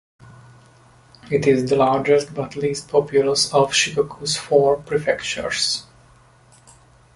It is the largest but least populous of Shikoku's four prefectures.